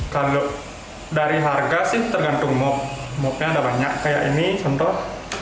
kalau dari harga sih tergantung mop mopnya ada banyak kayak ini contoh